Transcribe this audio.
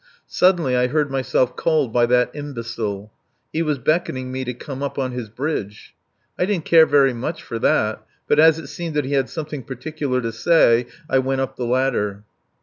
Suddenly I heard myself called by that imbecile. He was beckoning me to come up on his bridge. I didn't care very much for that, but as it seemed that he had something particular to say I went up the ladder.